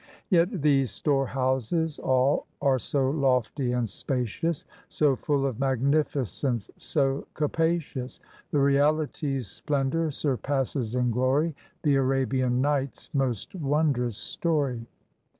Yet these storehouses all are so lofty and spacious. So full of magnificence, so capacious, The reaUty's splendor surpasses in glory The Arabian Nights' most wondrous story.